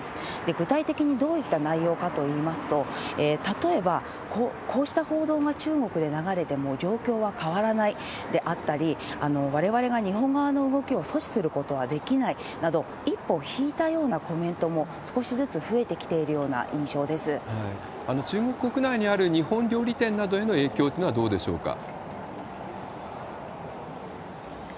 具体的にどういった内容かといいますと、例えば、こうした報道が中国で流れても状況は変わらないであったり、われわれが日本側の動きを阻止することはできないなど、一歩引いたようなコメントも少しずつ増えてきているような印象で中国国内にある日本料理店などへの影響というのはどうでしょうか。